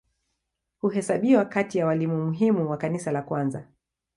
Huhesabiwa kati ya walimu muhimu wa Kanisa la kwanza.